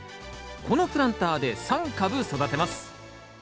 このプランターで３株育てます。